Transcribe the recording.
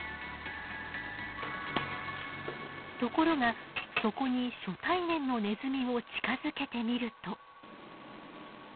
ところがそこに初対面のネズミを近づけてみると。